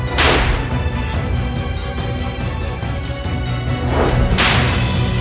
biar aku yang menanggung kutukan itu